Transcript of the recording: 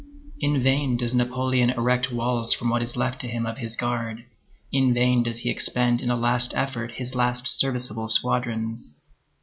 In vain does Napoleon erect walls from what is left to him of his Guard; in vain does he expend in a last effort his last serviceable squadrons.